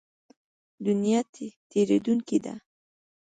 دنیا تېرېدونکې ده.